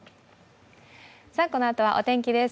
このあとはお天気です。